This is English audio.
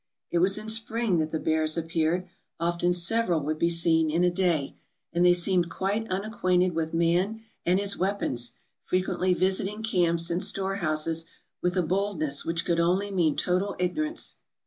It was in spring that the bears appeared — often several M ISC ELLA NEO US 483 would be seen in a day; and they seemed quite unacquainted with man and his weapons, frequently visiting camps and store houses with a boldness which could only mean total ignorance.